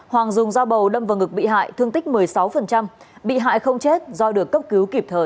hoàng dùng dao bầu đâm vào ngực bị hại thương tích một mươi sáu bị hại không chết do được cấp cứu kịp thời